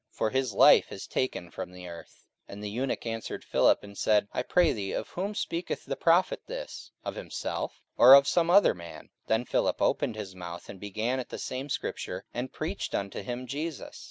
for his life is taken from the earth. 44:008:034 And the eunuch answered Philip, and said, I pray thee, of whom speaketh the prophet this? of himself, or of some other man? 44:008:035 Then Philip opened his mouth, and began at the same scripture, and preached unto him Jesus.